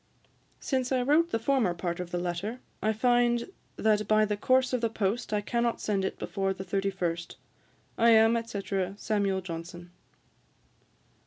Since I wrote the former part of the letter, I find that by the course of the post I cannot send it before the thirty first. I am, &c. SAM. JOHNSON.'